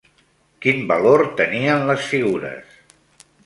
Quin valor tenien les figures?